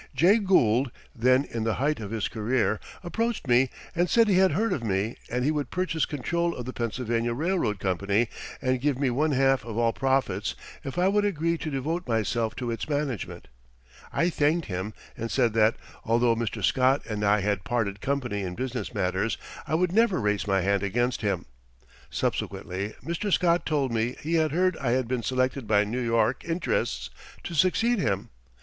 Jay Gould, then in the height of his career, approached me and said he had heard of me and he would purchase control of the Pennsylvania Railroad Company and give me one half of all profits if I would agree to devote myself to its management. I thanked him and said that, although Mr. Scott and I had parted company in business matters, I would never raise my hand against him. Subsequently Mr. Scott told me he had heard I had been selected by New York interests to succeed him.